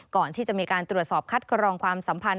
ก่อนที่จะมีการตรวจสอบคัดกรองความสัมพันธ